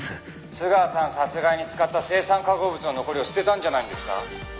「津川さん殺害に使った青酸化合物の残りを捨てたんじゃないんですか？」